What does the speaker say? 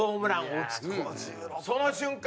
その瞬間